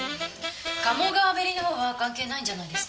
鴨川べりの方は関係ないんじゃないですか？